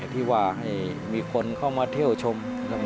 ที่ว่าให้มีคนเข้ามาเที่ยวชม